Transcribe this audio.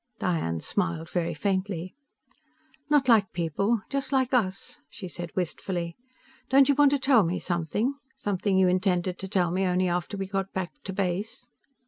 Diane smiled very faintly. "Not like people. Just like us." She said wistfully: "Don't you want to tell me something? Something you intended to tell me only after we got back to base?"